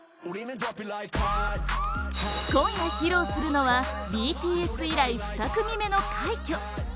今夜披露するのはＢＴＳ以来２組目の快挙！